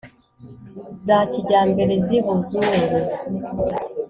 za kijyambere z' ibuzungu